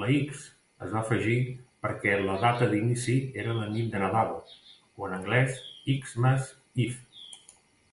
La "X" es va afegir perquè la data d'inici era la nit de Nadal o, en anglès, "X"mas eve.